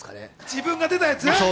自分が出たやつ。